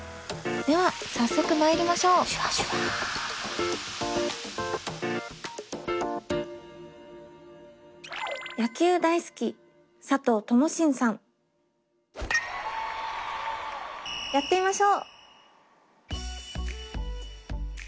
では早速まいりましょうやってみましょう。